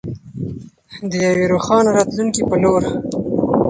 د یوې روښانه راتلونکې په لور.